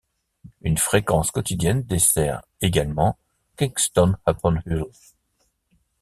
Une fréquence quotidienne dessert également Kingston-upon-Hull.